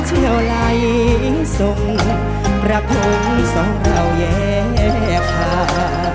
ก็ไหลส่งประทงสองเราแยกผ่าน